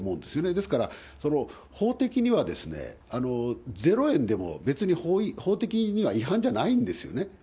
ですから、法的にはゼロ円でも別に法的には違反じゃないんですよね。